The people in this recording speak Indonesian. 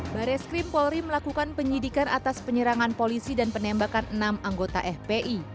baris krim polri melakukan penyidikan atas penyerangan polisi dan penembakan enam anggota fpi